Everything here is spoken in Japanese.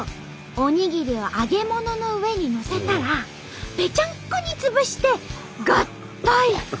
おにぎりを揚げ物の上にのせたらペチャンコにつぶして合体！